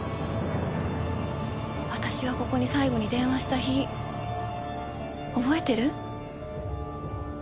私がここに最後に電話した日覚えてる？